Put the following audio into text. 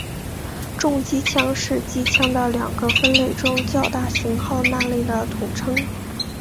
重机枪是机枪的两个分类中较大型号那类的统称。